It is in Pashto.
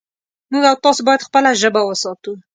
موږ او تاسې باید خپله ژبه وساتو